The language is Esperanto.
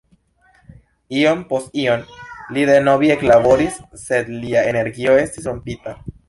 Iom post iom li denove eklaboris sed lia energio estis rompita.